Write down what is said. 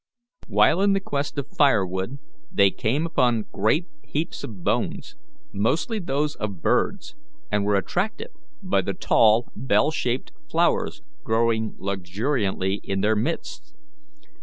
While in quest of fire wood, they came upon great heaps of bones, mostly those of birds, and were attracted by the tall, bell shaped flowers growing luxuriantly in their midst.